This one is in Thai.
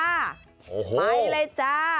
โอ้โหไปเลยจ้า